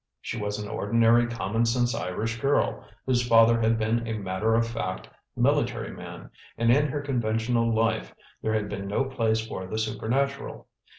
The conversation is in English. She was an ordinary commonsense Irish girl, whose father had been a matter of fact military man, and in her conventional life there had been no place for the supernatural.